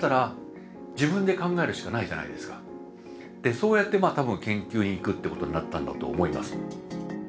そうやって多分研究に行くってことになったんだと思います。